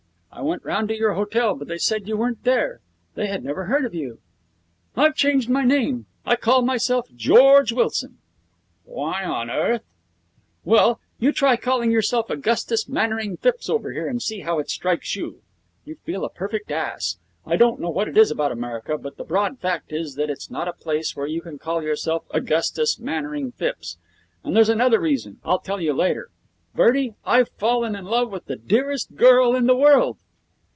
I went round to your hotel, but they said you weren't there. They had never heard of you.' 'I've changed my name. I call myself George Wilson.' 'Why on earth?' 'Well, you try calling yourself Augustus Mannering Phipps over here, and see how it strikes you. You feel a perfect ass. I don't know what it is about America, but the broad fact is that it's not a place where you can call yourself Augustus Mannering Phipps. And there's another reason. I'll tell you later. Bertie, I've fallen in love with the dearest girl in the world.'